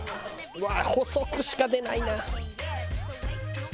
うわー細くしか出ないな。